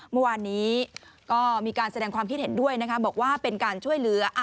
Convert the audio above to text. เมื่อวานนี้ก็มีการแสดงความคิดเห็นด้วยนะคะบอกว่าเป็นการช่วยเหลือ